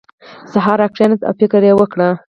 سهار راکېناست او فکر یې وکړ.